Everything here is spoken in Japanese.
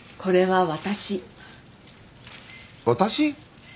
私？